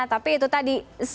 tapi itu tadi